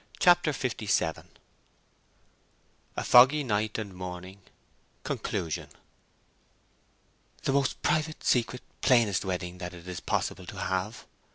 CHAPTER LVII A FOGGY NIGHT AND MORNING—CONCLUSION "The most private, secret, plainest wedding that it is possible to have."